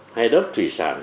hay đất thủy sản